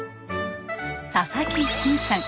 佐々木慎さん。